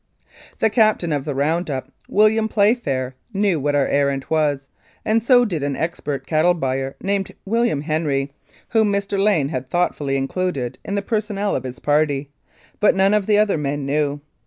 The captain of the round up, William Playfair, knew what our errand was, and so did an expert cattle buyer named William Henry, whom Mr. Lane had thought fully included in the personnel of his party, but none of the other men knew.